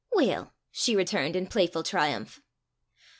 "Weel!" she returned in playful triumph.